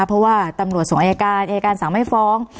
เพราะว่าตำรวจส่งอายการอายการสั่งไม่ฟ้อง